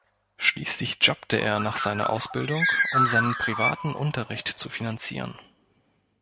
Schließlich jobbte er nach seiner Ausbildung, um seinen privaten Unterricht zu finanzieren.